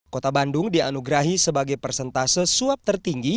kota bandung dianugerahi sebagai persentase suap tertinggi